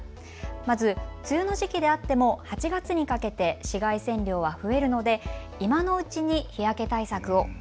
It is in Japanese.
まず梅雨の時期であっても８月にかけて紫外線量は増えるので今のうちに日焼け対策を。